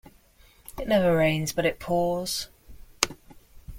It never rains but it pours.